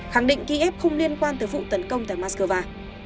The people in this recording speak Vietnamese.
khẳng định kyiv không liên quan tới vụ tấn công tại mắc cơ va